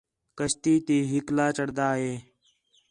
کشتی تی ہِکلا چڑھدا ہِے